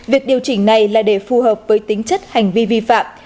việc điều chỉnh này là để phù hợp với tính chất hành vi vi phạm